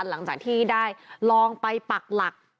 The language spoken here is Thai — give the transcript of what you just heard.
หลังจากที่ได้ลองไปปักหลัก